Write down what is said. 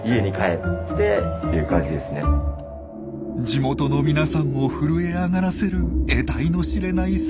地元の皆さんを震え上がらせるえたいの知れない叫び声。